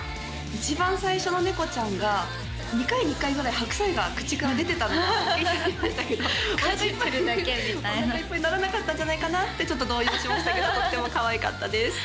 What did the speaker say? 一番最初の猫ちゃんが２回に１回ぐらい白菜が口から出てたのが「えっ？」ってなりましたけどおなかおなかいっぱいにならなかったんじゃないかなってちょっと動揺しましたけどとってもかわいかったです